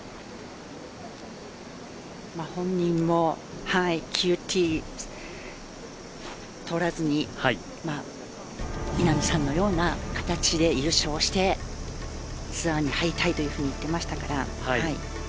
本人もＱＴ取らずに稲見さんのような形で優勝してツアーに入りたいというふうに言っていましたから。